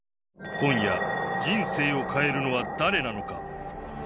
今夜、人生を変えるのは誰なのか。